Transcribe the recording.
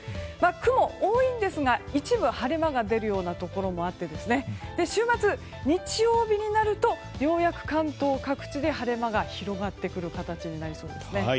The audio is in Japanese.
雲は多いですが一部、晴れ間が出るようなところもあって週末、日曜日になるとようやく関東各地で晴れ間が広がってくる形になりそうですね。